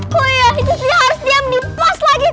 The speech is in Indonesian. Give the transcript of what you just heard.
kok ijus lia harus diam di pos lagi